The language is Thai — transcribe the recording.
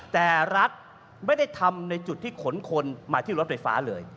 แต่รัฐไม่ได้ทำในจุดที่ขนคนมาที่รถไฟฟ้าเลย